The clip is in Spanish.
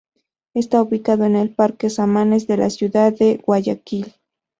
Está ubicado en el Parque Samanes de la ciudad de Guayaquil.